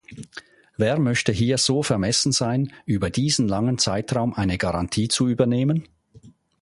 Wer möchte hier so vermessen sein, über diesen langen Zeitraum eine Garantie zu übernehmen?